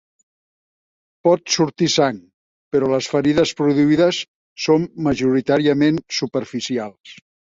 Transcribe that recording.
Pot sortir sang, però les ferides produïdes són majoritàriament superficials.